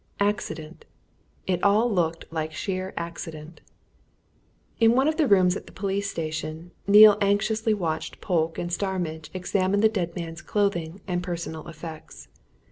Accident! it all looked like sheer accident. In one of the rooms at the police station, Neale anxiously watched Polke and Starmidge examine the dead man's clothing and personal effects.